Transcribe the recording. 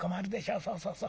そうそうそう。